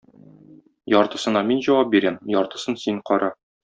Яртысына мин җавап бирәм, яртысын син кара.